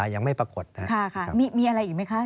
ยังไม่ปรากฏนะครับมีอะไรอีกไหมคะ